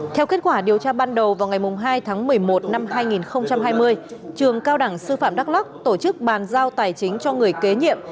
theo kết quả điều tra ban đầu vào ngày hai tháng một mươi một năm hai nghìn hai mươi trường cao đẳng sư phạm đắk lắc tổ chức bàn giao tài chính cho người kế nhiệm